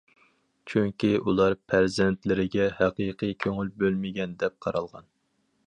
چۈنكى ئۇلار پەرزەنتلىرىگە ھەقىقىي كۆڭۈل بۆلمىگەن دەپ قارالغان.